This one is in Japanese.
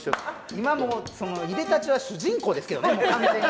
今ももうそのいでたちは主人公ですけどね完全に。